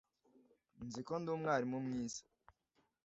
Nzi ko ndi umwarimu mwiza